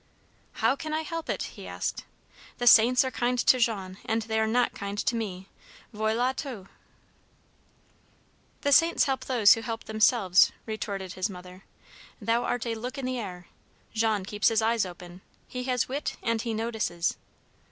"How can I help it?" he asked. "The saints are kind to Jean, and they are not kind to me, voilà tout!" "The saints help those who help themselves," retorted his mother. "Thou art a look in the air. Jean keeps his eyes open, he has wit, and he notices."